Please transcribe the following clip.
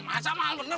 masa mahal bener